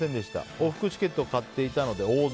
往復チケットを買っていたので大損。